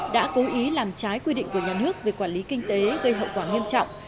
đã cố ý làm trái quy định của nhà nước về quản lý kinh tế gây hậu quả nghiêm trọng